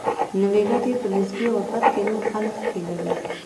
نوي ګټې په نسبي غربت کې نور خلک ښکېلوي.